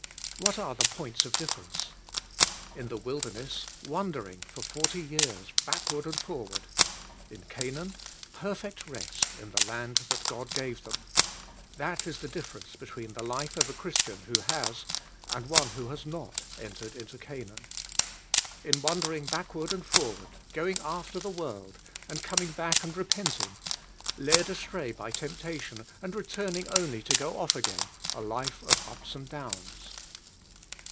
What are the points of difference? In the wilderness, wandering for fort}^ years, back ward and forward; in Canaan, perfect rest in the land that God gave them. That is the differ ence between the life of a Christian who has, and one who has not entered into Canaan. In wandering backward and forward; going after the world, and coming back and repenting; led astray b}^ temptation, and returning only to go off again ;— a life of ups and downs.